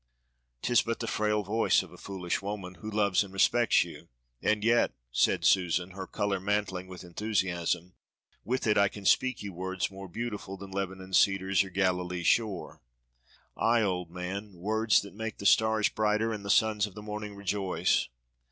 "'Tis but the frail voice of a foolish woman, who loves and respects you, and yet," said Susan, her color mantling with enthusiasm, "with it I can speak you words more beautiful than Lebanon's cedars or Galilee's shore. Ay, old man, words that make the stars brighter and the sons of the morning rejoice.